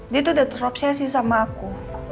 dia tuh udah terobsesi sama aku